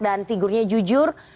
dan figurnya jujur